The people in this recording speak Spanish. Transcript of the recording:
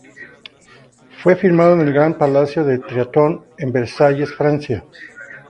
Fue firmado en el Gran Palacio de Trianon, en Versailles, Francia.